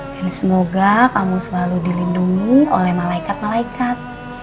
dan semoga kamu selalu dilindungi oleh malaikat malaikat